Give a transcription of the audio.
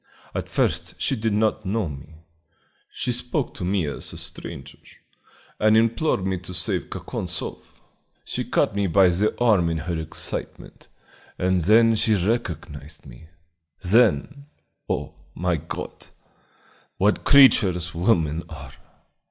At first she did not know me. She spoke to me as a stranger, and implored me to save Kakonzoff. She caught me by the arm in her excitement; and then she recognized me. Then oh, my God, what creatures women are!